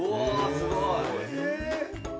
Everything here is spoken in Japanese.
すごい！